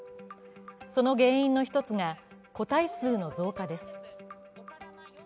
その原因の一つが個体数の増加です。